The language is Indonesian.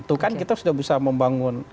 itu kan kita sudah bisa membangun